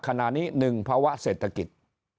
ขณะนี้๑ภาวะเศรษฐกิจ